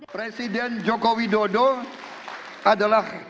presiden jokowi dodo adalah